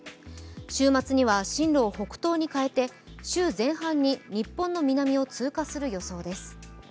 週末には進路を北東に変えて週前半に日本の南を通過する予想です。